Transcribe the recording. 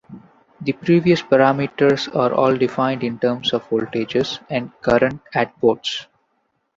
The previous parameters are all defined in terms of voltages and currents at ports.